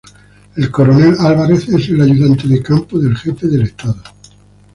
El coronel Álvarez es el ayudante de campo del Jefe de Estado.